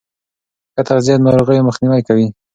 ښه تغذیه د ناروغیو مخنیوی کوي.